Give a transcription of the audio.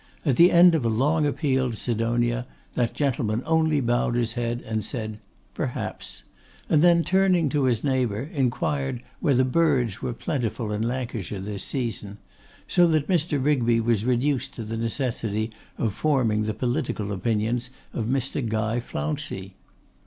At the end of a long appeal to Sidonia, that gentleman only bowed his head and said, 'Perhaps;' and then, turning to his neighbour, inquired whether birds were plentiful in Lancashire this season; so that Mr. Rigby was reduced to the necessity of forming the political opinions of Mr. Guy Flouncey.